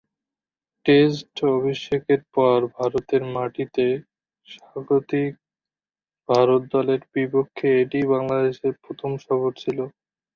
Test অভিষেকের পর ভারতের মাটিতে স্বাগতিক ভারত দলের বিপক্ষে এটিই বাংলাদেশের প্রথম সফর ছিল।